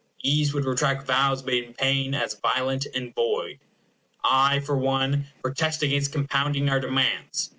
"Ease would retract Vows made in pain, as violent and void." I, for one, protest against compounding our demands.